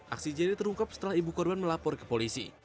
aksi jr terungkap setelah ibu korban melapor ke polisi